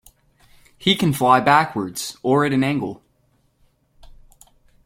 He can fly backwards, or at an angle.